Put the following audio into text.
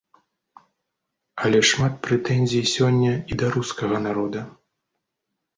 Але шмат прэтэнзій сёння і да рускага народа.